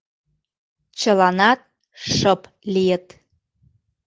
Чыланат шып лийыт.